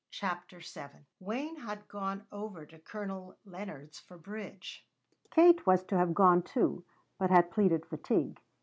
CHAPTER VII Wayne had gone over to Colonel Leonard's for bridge. Kate was to have gone too, but had pleaded fatigue.